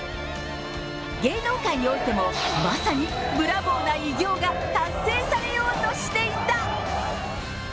芸能界においても、まさにブラボーな偉業が達成されようとしていた。